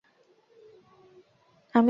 আমি চিল্লাচিল্লি করিনি।